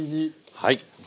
はい。